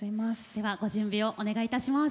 ではご準備をお願いいたします。